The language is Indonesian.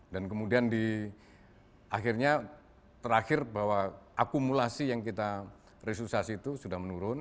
dan kemudian di akhirnya terakhir bahwa akumulasi yang kita restructuring itu sudah menurun